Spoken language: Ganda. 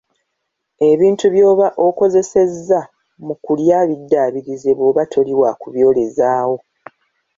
Ebintu by‘oba okozesezza mu kulya biddaabirize bw‘oba toli wa kuby‘olezaawo.